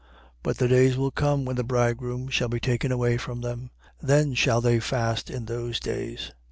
5:35. But the days will come when the bridegroom shall be taken away from them: then shall they fast in those days.